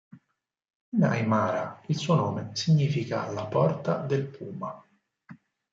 In Aymara, il suo nome significa “La porta del Puma”.